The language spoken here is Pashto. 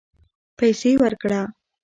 پیسې ورکړه